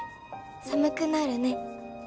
寒くなるね」